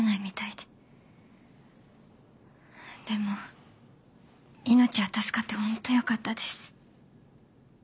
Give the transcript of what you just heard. でも命は助かって本当よかったです。